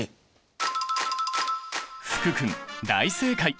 福君大正解！